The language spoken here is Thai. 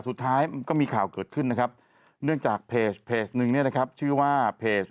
สุดท้ายมันก็มีข่าวเกิดขึ้นนะครับเนื่องจากเพจนึงเนี่ยนะครับชื่อว่าเพจ